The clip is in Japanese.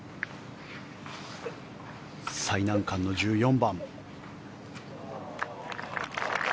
最難関の１４番。